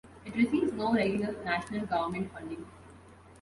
It receives no regular national government funding.